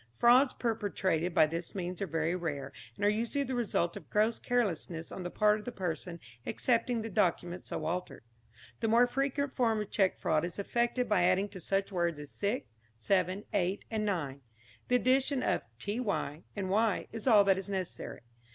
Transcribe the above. Frauds perpetrated by this means are very rare, and are usually the result of gross carelessness on the part of the person accepting the document so altered. The more frequent form of cheque fraud is effected by adding to such words as six, seven, eight and nine. The addition of ty and y is all that is necessary.